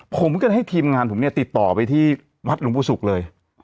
ผมก็ให้ทีมงานผมติดต่อไปที่วัดลุงปู่ศุกร์เลย